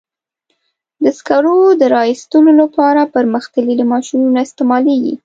د سکرو د را ایستلو لپاره پرمختللي ماشینونه استعمالېږي.